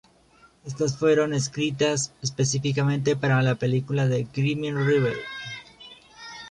Estas fueron escritas específicamente para la película por Graeme Revell.